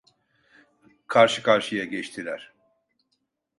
Karşı karşıya geçtiler.